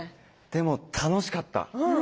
でも楽しかった。